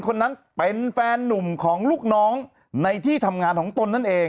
คนนั้นเป็นแฟนนุ่มของลูกน้องในที่ทำงานของตนนั่นเอง